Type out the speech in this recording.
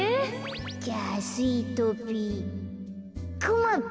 じゃあスイートピーくまぴ！